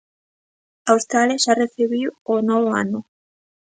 Australia xa recibiu o novo ano.